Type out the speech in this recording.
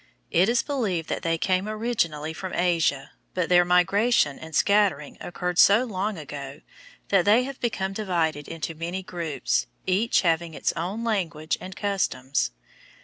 It is believed that they came originally from Asia, but their migration and scattering occurred so long ago that they have become divided into many groups, each having its own language and customs.